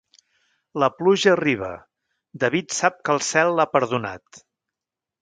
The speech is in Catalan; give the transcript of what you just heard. La pluja arriba, David sap que el cel l'ha perdonat.